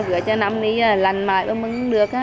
rửa cho năm đi là lần mai mới mừng được á